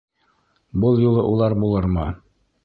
Был юлы улар булырмы?